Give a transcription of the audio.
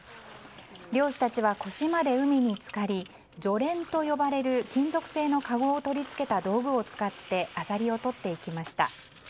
漁師たちは腰まで海につかりジョレンと呼ばれる金属製のかごを取り付けた道具を使ってアサリをとっていきました。